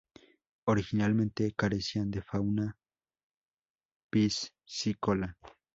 Originalmente carecían de fauna piscícola.